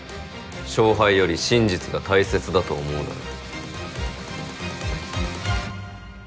勝敗より真実が大切だと思うなら。